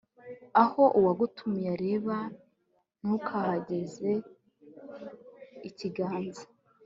aho uwagutumiye areba, ntukahageze ikiganza